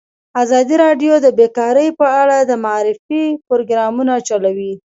ازادي راډیو د بیکاري په اړه د معارفې پروګرامونه چلولي.